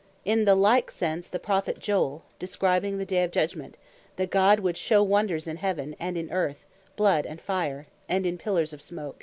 In the like sense the Prophet Joel describing the day of Judgment, (chap. 2.30,31.) that God would "shew wonders in heaven, and in earth, bloud, and fire, and pillars of smoak.